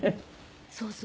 そうそう。